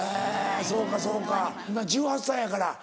そうかそうか今１８歳やから。